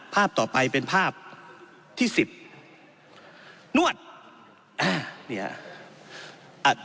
ภาพต่อไปเป็นภาพที่สิบนวดอ่าเนี่ย